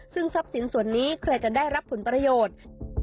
ซึ่งทรัพย์สินส่วนนี้ใครจะได้รับผลประโยชน์